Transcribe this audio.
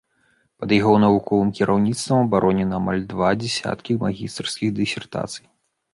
Пад ягоным навуковым кіраўніцтвам абаронена амаль два дзясяткі магістарскіх дысертацый.